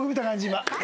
今。